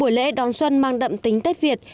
buổi lễ đón xuân mang đậm tính tết việt